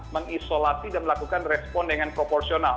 mengisolasi dan melakukan respon dengan proporsional